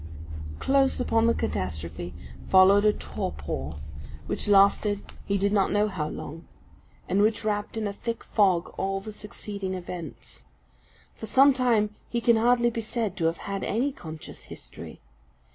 Close upon the catastrophe followed a torpor, which lasted he did not know how long, and which wrapped in a thick fog all the succeeding events. For some time he can hardly be said to have had any conscious history.